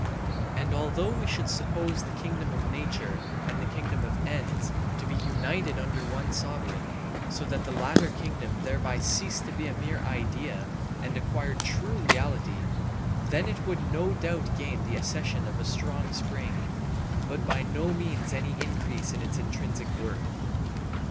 And although we should suppose the kingdom of nature and the kingdom of ends to be united under one sovereign, so that the latter kingdom thereby ceased to be a mere idea and acquired true reality, then it would no doubt gain the accession of a strong spring, but by no means any increase of its intrinsic worth.